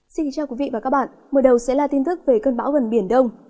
xin chào quý vị và các bạn mở đầu sẽ là tin thức về cơn bão gần biển đông